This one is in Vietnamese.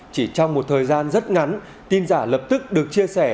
chỉ trong một thời gian rất ngắn tin giả lập tức được chia sẻ